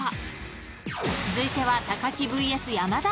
［続いては］